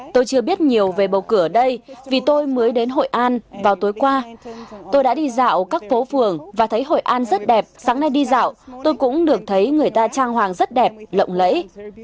tôi chưa biết nhiều về bầu cử ở đây vì tôi mới đến hội an vào tối qua tôi đã đi dạo các phố phường và thấy hội an rất đẹp sáng nay đi dạo tôi cũng được thấy người ta trang hoàng rất đẹp lộng lẫy